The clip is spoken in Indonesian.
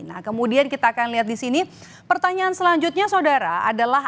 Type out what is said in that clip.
nah kemudian kita akan lihat di sini pertanyaan selanjutnya saudara adalah